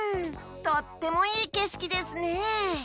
とってもいいけしきですね。